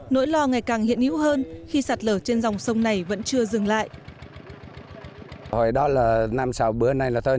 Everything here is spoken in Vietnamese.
nỗi lo ngày càng hiện yếu hơn khi sạt lở trên dòng sông này vẫn chưa